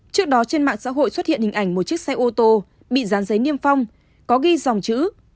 trước đó trên mạng xã hội xuất hiện hình ảnh một chiếc xe ô tô bị rán giấy niêm phong có ghi dòng chữ